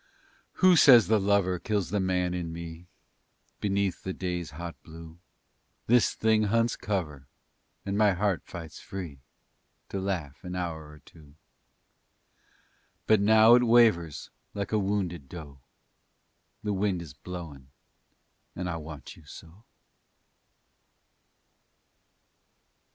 Who says the lover kills the man in me? Beneath the day's hot blue This thing hunts cover and my heart fights free To laugh an hour or two. But now it wavers like a wounded doe. The wind is blowin' and I want you so.